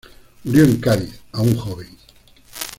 Murió en Cádiz, aún joven.